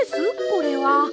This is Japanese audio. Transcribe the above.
これは。